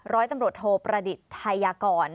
ร้อยตำรวจโทประดิษฐ์ไทยยากร